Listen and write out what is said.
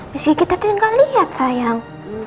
meski gigi tadi gak liat sayang